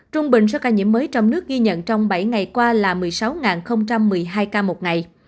trung bình số ca nhiễm mới trong nước ghi nhận trong bảy ngày qua là một mươi sáu một mươi hai ca một ngày